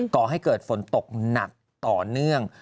ก่อให้เกิดฝนตกหนักต่อเนื่อง